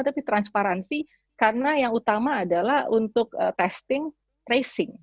tapi transparansi karena yang utama adalah untuk testing tracing